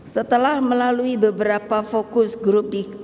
setelah melalui beberapa fokus grup di indonesia